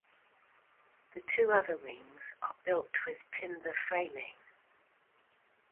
The two other wings are built with timber framing.